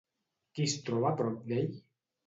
Qui es troba a prop d'ell?